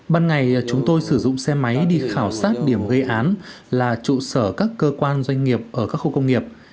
ban ngày chúng tôi sử dụng xe máy đi khảo sát điểm gây án là trụ sở các cơ quan doanh nghiệp ở các khu công nghiệp